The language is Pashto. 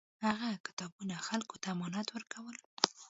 هغه کتابونه خلکو ته امانت ورکول.